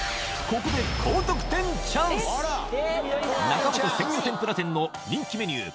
ここで中本鮮魚てんぷら店の人気メニュー